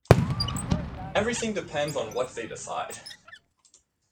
Everything depends on what they decide.